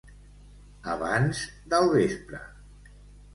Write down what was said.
Abans del vespre.